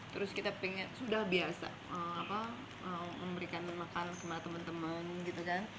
terus kita pengen sudah biasa memberikan makan sama teman teman gitu kan